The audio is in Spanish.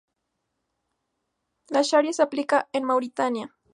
La sharia se aplica en Mauritania.